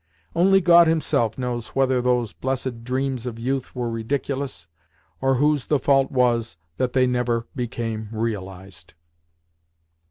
Only God Himself knows whether those blessed dreams of youth were ridiculous, or whose the fault was that they never became realised.